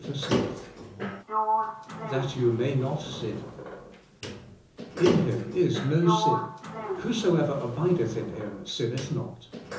ABIDE IN CHRIST THAT YOU MAY NOT SIN. 'In Him is no sin. Whosoever abideth in Him sinneth not.